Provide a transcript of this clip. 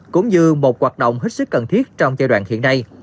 tạo nên một hoạt động hết sức cần thiết trong giai đoạn hiện nay